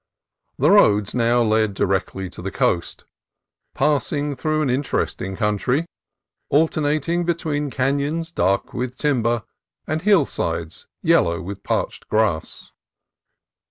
The road now led directly to the coast, passing through an interesting country, alternating between canons dark with timber and hillsides yellow with parched grass.